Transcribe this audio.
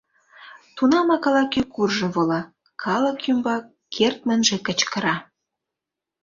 Тунамак ала-кӧ куржын вола, калык ӱмбак кертмынже кычкыра: